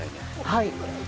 はい。